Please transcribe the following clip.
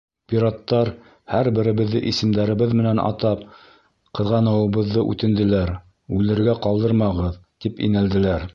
Пираттар, һәр беребеҙҙе исемдәребеҙ менән атап, ҡыҙғаныуыбыҙҙы үтенделәр, үлергә ҡалдырмағыҙ, тип инәлделәр.